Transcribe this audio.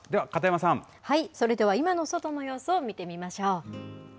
それでは今の外の様子を見てみましょう。